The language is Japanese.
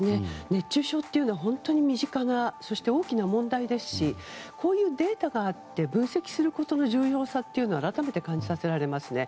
熱中症というのは本当に身近な大きな問題ですしこういうデータがあって分析することの重要さを改めて感じさせられますね。